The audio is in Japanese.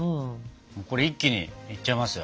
これ一気にいっちゃいますよ。